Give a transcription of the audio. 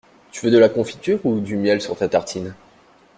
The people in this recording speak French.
Tu veux de la confiture ou du miel sur ta tartine?